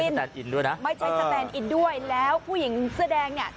แตนอินด้วยนะไม่ใช่สแตนอินด้วยแล้วผู้หญิงเสื้อแดงเนี่ย